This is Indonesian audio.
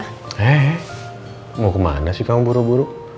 hei hei mau ke mana sih kamu buru buru